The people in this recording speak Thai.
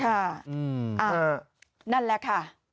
นั่นแหละค่ะ